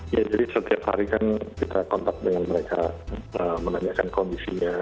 jadi setiap hari kan kita kontak dengan mereka menanyakan kondisinya